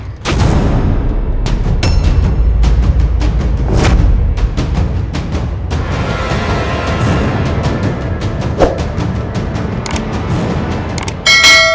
kau tak merasa senang